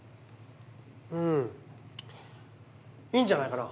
うんいいんじゃないかな。